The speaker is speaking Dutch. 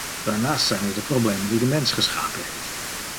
Daarnaast zijn er de problemen die de mens geschapen heeft.